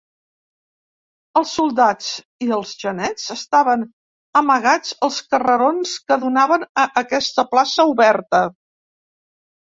Els soldats i els genets estaven amagats als carrerons que donaven a aquesta plaça oberta.